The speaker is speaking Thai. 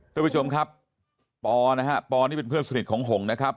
ทุกผู้ชมครับปอนะฮะปอนี่เป็นเพื่อนสนิทของหงนะครับ